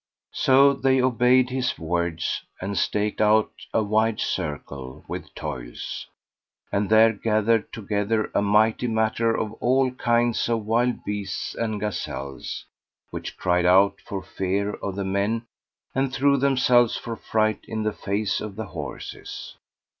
So they obeyed his words and staked out a wide circle with toils; and there gathered together a mighty matter of all kinds of wild beasts and gazelles, which cried out for fear of the men and threw themselves for fright in the face of the horses.